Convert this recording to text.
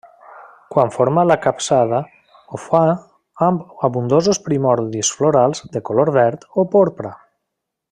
Quan forma la capçada ho fa amb abundosos primordis florals de color verd o porpra.